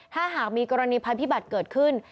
ถ้าหากมีกรณีภัยพิบัติเกิดขึ้น